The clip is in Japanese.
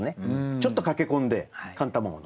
ちょっと駆け込んで寒卵の。